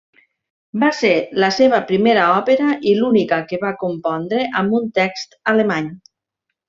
Va ser la seva primera òpera i l'única que va compondre amb un text alemany.